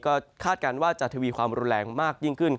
ก็คาดการณ์ว่าจะทวีความรุนแรงมากยิ่งขึ้น